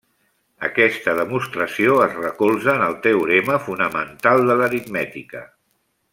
Aquesta demostració es recolza en el teorema fonamental de l'aritmètica.